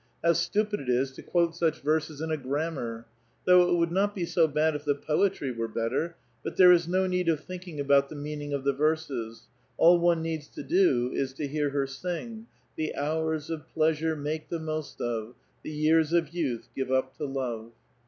How stupid it is to quote such verses in a grammar ! though it would not be so bad if the poetry were better ; but there is no need of thinkmg about the meaning of the verses ; all one needs to do is to hear her sing :— •The hours of pleasure Make the most of ; The years of youth Give up to love.'